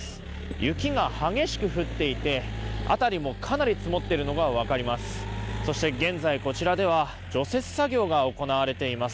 雪が激しく降っていて辺りもかなり積もっているのが分かります。